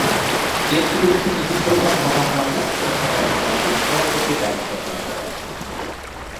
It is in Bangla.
এরপূর্বে তিনি কিশোরগঞ্জ মহকুমার ছাত্র সংগ্রাম কমিটির সভাপতির দায়িত্ব পালন করেন।